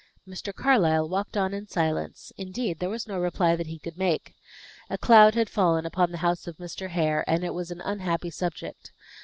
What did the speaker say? Mr. Carlyle walked on in silence; indeed there was no reply that he could make. A cloud had fallen upon the house of Mr. Hare, and it was an unhappy subject.